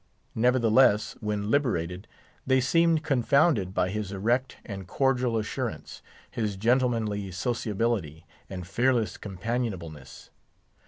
Nevertheless, when liberated, they seemed confounded by his erect and cordial assurance, his gentlemanly sociability and fearless companionableness.